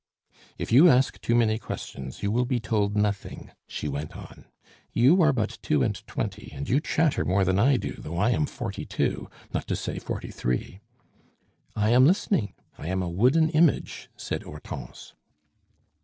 "If you ask too many questions, you will be told nothing," she went on. "You are but two and twenty, and you chatter more than I do though I am forty two not to say forty three." "I am listening; I am a wooden image," said Hortense.